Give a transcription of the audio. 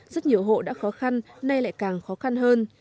rất nhiều hộ đã khó khăn nay lại càng khó khăn hơn